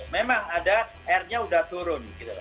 memang ada r nya sudah turun